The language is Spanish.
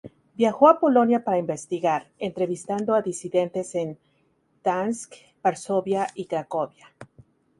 Viajó a Polonia para investigar, entrevistando a disidentes en Gdansk, Varsovia y Cracovia.